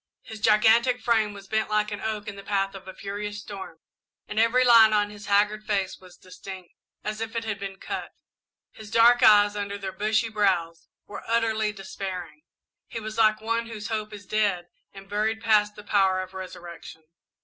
His gigantic frame was bent like an oak in the path of a furious storm and every line on his haggard face was distinct, as if it had been cut. His dark eyes, under their bushy brows, were utterly despairing; he was like one whose hope is dead and buried past the power of resurrection.